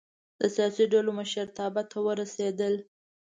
د سیاسي ډلو مشرتابه ته ورسېدل.